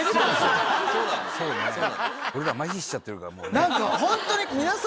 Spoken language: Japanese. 俺らまひしちゃってるから。